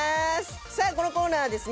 さあこのコーナーはですね